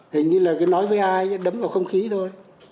hình như là cứ nói với ai đấm vào không khí thôi